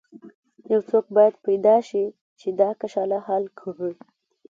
یو څوک باید پیدا شي چې دا کشاله حل کړي.